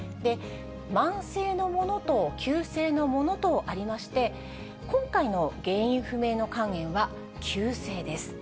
慢性のものと、急性のものとありまして、今回の原因不明の肝炎は急性です。